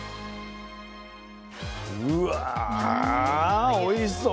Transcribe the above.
うわおいしそう。